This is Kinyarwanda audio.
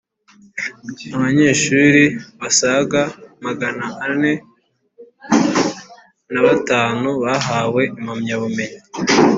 Abanyeshuri basaga magana ane nabatanu bahawe impamyabumenyi